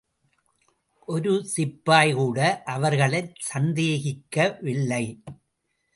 ஒரு சிப்பாய்கூட அவர்களைச்சந்தேகிக்கவில்லை.